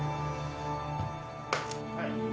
はい。